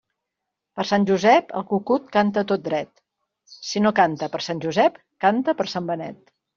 Per Sant Josep, el cucut canta tot dret; si no canta per Sant Josep, canta per Sant Benet.